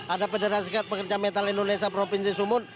ada konfederasi sekret pekerja metal indonesia provinsi sumut